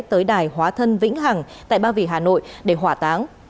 tới đài hóa thân vĩnh hằng tại ba vì hà nội để hỏa táng